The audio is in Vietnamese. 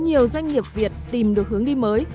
nhiều doanh nghiệp việt tìm được hướng đi mới